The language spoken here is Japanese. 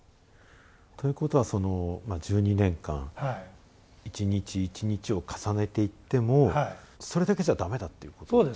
ということは１２年間一日一日を重ねていってもそれだけじゃ駄目だっていうことですか？